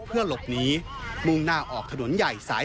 เพื่อหลบหนีมุ่งหน้าออกถนนใหญ่สาย